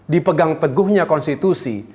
dipegang teguhnya konstitusi